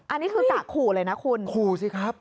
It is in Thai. อันนี้คือกะขู่เลยนะคุณขู่สิครับ